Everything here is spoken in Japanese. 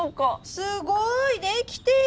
すごい！できてる！